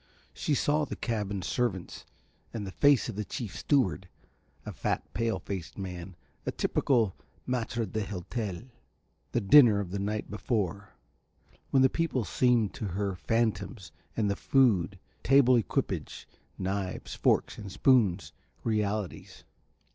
She saw the cabin servants and the face of the chief steward, a fat pale faced man, a typical maître d'hôtel; the dinner of the night before, when the people seemed to her phantoms and the food, table equipage, knives, forks and spoons, realities.